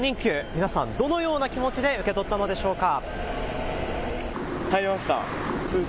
皆さん、どのような気持ちで受け取ったのでしょうか。